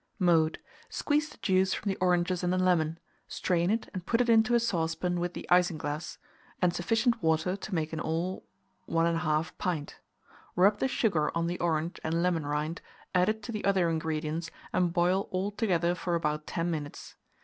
[Illustration: OPEN MOULD.] Mode. Squeeze the juice from the oranges and lemon; strain it, and put it into a saucepan with the isinglass, and sufficient water to make in all 1 1/2 pint. Rub the sugar on the orange and lemon rind, add it to the other ingredients, and boil all together for about 10 minutes.